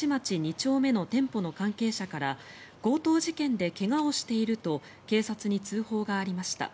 丁目の店舗の関係者から強盗事件で怪我をしていると警察に通報がありました。